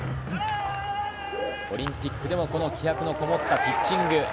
オリンピックでも、この気迫のこもったピッチング。